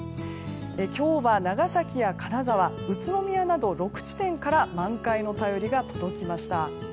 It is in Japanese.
今日は長崎や金沢宇都宮など６地点から満開の便りが届きました。